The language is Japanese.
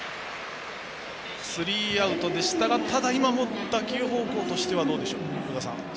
スリーアウトでしたがただ、今も打球方向としてはどうでしょうか、与田さん。